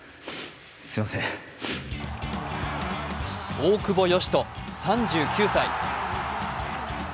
大久保嘉人３９歳。